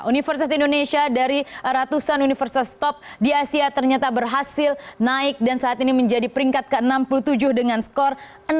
universitas indonesia dari ratusan universitas top di asia ternyata berhasil naik dan saat ini menjadi peringkat ke enam puluh tujuh dengan skor enam puluh